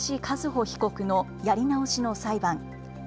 和歩被告のやり直しの裁判。